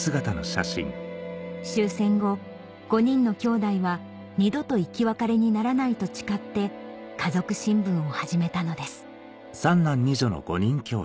終戦後５人のきょうだいは二度と生き別れにならないと誓って「家族新聞」を始めたのです